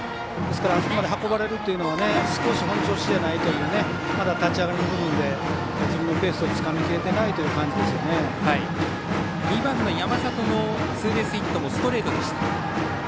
あそこまで運ばれるというのは少し本調子じゃないという自分のペースをつかみきれていない２番の山里のツーベースヒットもストレートでした。